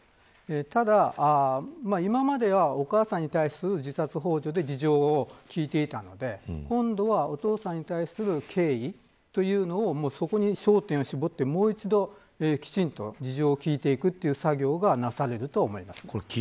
ただ、今まではお母さんに対する自殺ほう助で事情を聴いていたので今度はお父さんに対する経緯というのをそこに焦点を絞ってもう一度きちんと事情を聴いていくという作業がなされると思います。